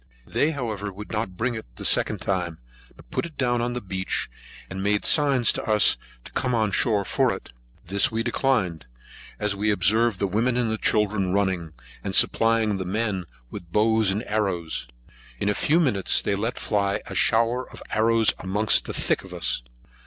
They, however, would not bring it the second time, but put it down on the beach, and made signs to us to come on shore for it. This we declined, as we observed the women and children running, and supplying the men with bows and arrows. In a few minutes, they let fly a shower of arrows amongst the thick of us.